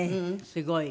すごい。